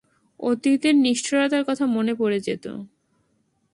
অতীতের নিষ্ঠুরতার কথা মনে পড়ে যেত।